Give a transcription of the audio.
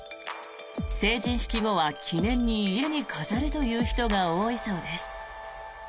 成人式後は記念に家に飾るという人が多いそうです。